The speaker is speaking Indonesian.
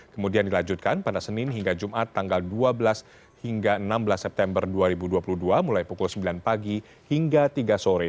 kemudian dilanjutkan pada senin hingga jumat tanggal dua belas hingga enam belas september dua ribu dua puluh dua mulai pukul sembilan pagi hingga tiga sore